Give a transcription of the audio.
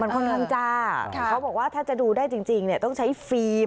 ค่อนข้างจ้าเขาบอกว่าถ้าจะดูได้จริงเนี่ยต้องใช้ฟิล์ม